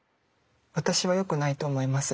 私は良くないと思います。